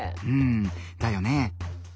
うんだよね。